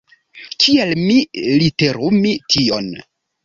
Kiel mi literumu tion?